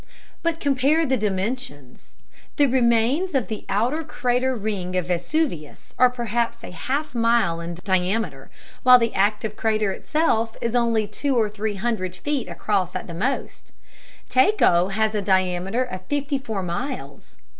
But compare the dimensions. The remains of the outer crater ring of Vesuvius are perhaps half a mile in diameter, while the active crater itself is only two or three hundred feet across at the most; Tycho has a diameter of fifty four miles!